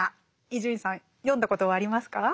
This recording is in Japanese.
伊集院さん読んだことはありますか？